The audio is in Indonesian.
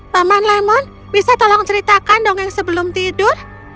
paman lemon bisa tolong ceritakan dong yang sebelum tidur